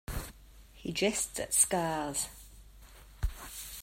He Jests at Scars...